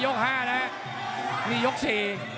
ยกห้านะครับนี่ยกสี่